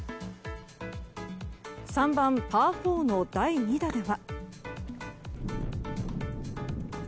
３番、パー４の第２打では。